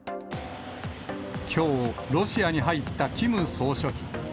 きょう、ロシアに入ったキム総書記。